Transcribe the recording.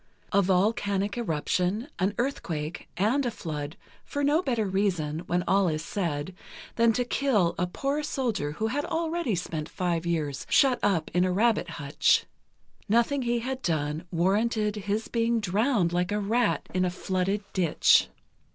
A volcanic eruption, an earthquake and a flood, for no better reason, when all is said, than to kill a poor soldier who had already spent five years shut up in a rabbit hutch. Nothing he had done warranted his being drowned like a rat in a flooded ditch.